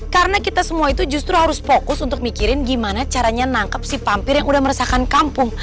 karena kita semua itu justru harus fokus untuk mikirin gimana caranya nangkep si pampir yang udah meresahkan kampung